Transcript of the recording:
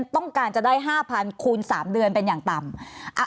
ต้องการจะได้๕๐๐คูณ๓เดือนเป็นอย่างต่ำ